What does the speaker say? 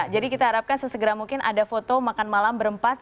jadi kita harapkan sesegera mungkin ada foto makan malam berempat